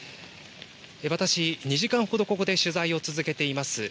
私、２時間ほどここで取材を続けています。